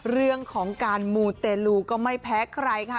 เรื่องของการมูเตลูก็ไม่แพ้ใครค่ะ